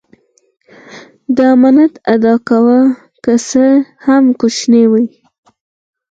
د امانت ادا کوه که څه هم کوچنی وي.